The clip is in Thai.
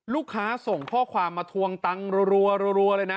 ลูกค้าส่งข้อความมาทวงตังค์รัวเลยนะ